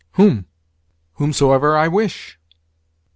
"Whom?" "Whomsoever I wish?"